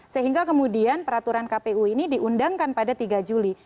sehingga kemudian peraturan kpu ini diundangkan pada tiga juli